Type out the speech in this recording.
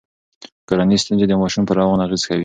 کورنۍ ستونزې د ماشوم په روان اغیز کوي.